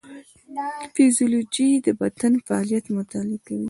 فیزیولوژي د بدن فعالیت مطالعه کوي